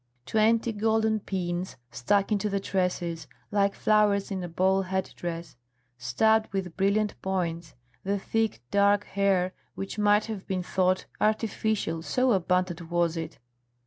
Twenty golden pins stuck into the tresses, like flowers in a ball head dress, studded with brilliant points the thick dark hair which might have been thought artificial, so abundant was it.